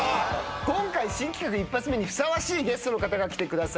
今回新企画一発目にふさわしいゲストの方が来てくださいました。